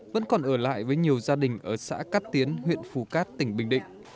vẫn còn ở lại với nhiều gia đình ở xã cát tiến huyện phù cát tỉnh bình định